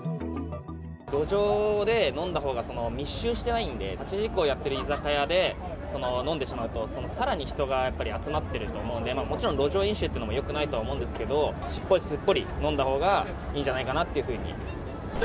路上で飲んだほうが、密集してないんで、８時以降やっている居酒屋で飲んでしまうと、さらに人がやっぱり集まってると思うんで、もちろん、路上飲酒というのもよくないと思うんですけれども、しっぽりすっぽり飲んだほうがいいんじゃないかなというふうに。